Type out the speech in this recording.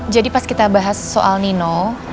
jadi pas kita bahas soal nino